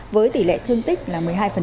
với tỷ lệ thương tích là một mươi hai